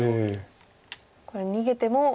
これ逃げても。